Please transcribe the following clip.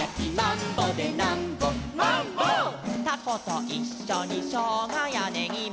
「たこといっしょにしょうがやねぎも」